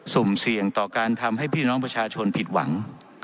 สุ่มเสี่ยงต่อการทำให้พี่น้องประชาชนผิดหวัง